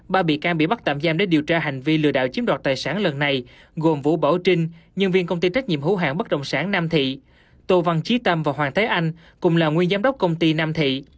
ba bị can bị bắt tạm giam để điều tra hành vi lừa đảo chiếm đoạt tài sản lần này gồm vũ bảo trinh nhân viên công ty trách nhiệm hữu hạng bất động sản nam thị tô văn trí tâm và hoàng thế anh cùng là nguyên giám đốc công ty nam thị